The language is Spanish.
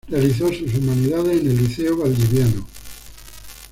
Realizó sus humanidades en el liceo valdiviano.